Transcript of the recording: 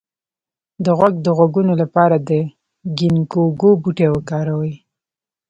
د غوږ د غږونو لپاره د ګینکګو بوټی وکاروئ